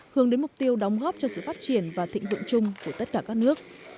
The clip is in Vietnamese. hướng đến mục tiêu đóng góp cho sự phát triển và thịnh vượng chung của tất cả các nước